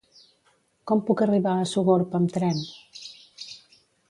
Com puc arribar a Sogorb amb tren?